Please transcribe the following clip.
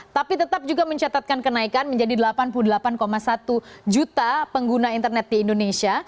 tapi tetap juga mencatatkan kenaikan menjadi delapan puluh delapan satu juta pengguna internet di indonesia